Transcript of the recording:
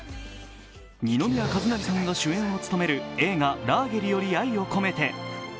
二宮和也さんが主演を務める映画「ラーゲリより愛を込めて」。